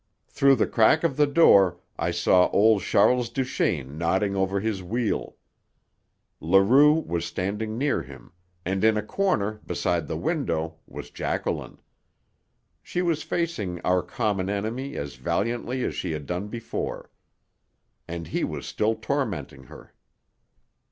Through the crack of the door I saw old Charles Duchaine nodding over his wheel. Leroux was standing near him, and in a corner, beside the window, was Jacqueline. She was facing our common enemy as valiantly as she had done before. And he was still tormenting her.